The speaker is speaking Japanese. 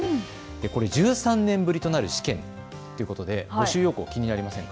こちら、１３年ぶりとなる試験ということで募集要項、気になりませんか。